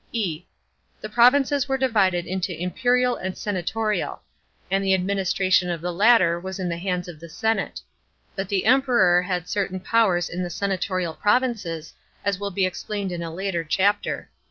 e. The provinces were divided into imperial and senatorial;* and the administration of the latter was in the hands of the senate. But the Emperor had certain powers in the senatorial provinces, as will be explained in a later chapter.